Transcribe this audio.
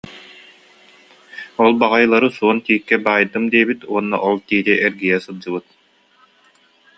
Ол баҕайылары суон тииккэ баайдым диэбит уонна ол тиити эргийэ сылдьыбыт